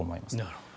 なるほど。